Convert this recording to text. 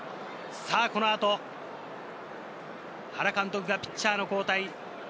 この後、原監督がピッチャーの交代。